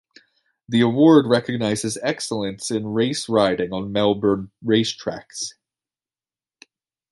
The award recognises excellence in race riding on Melbourne racetracks.